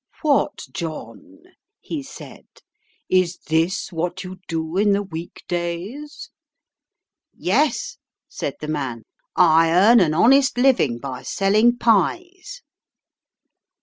"What, John," he said, "is this what you do in the weekdays?" "Yes," said the man, "I earn an honest living by selling pies."